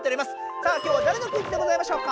さあ今日はだれのクイズでございましょうか？